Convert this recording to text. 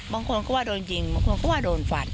บางคนก็ว่าโดนยิงบางคนก็ว่าโดนฟัน